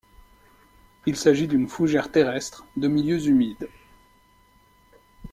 Il s'agit d'une fougère terrestre, de milieux humides.